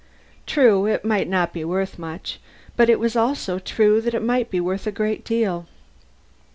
True, it might not be worth much, but it was also true that it might be worth a great deal.